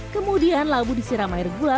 kemudian labu disiram air gula